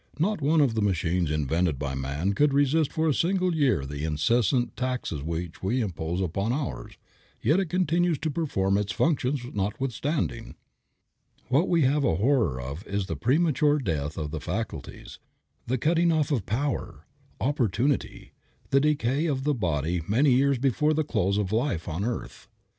Not one of the machines invented by man could resist for a single year the incessant taxes which we impose upon ours. Yet it continues to perform its functions notwithstanding." What we have a horror of is the premature death of the faculties, the cutting off of power, opportunity, the decay of the body many years before the close of the life on earth.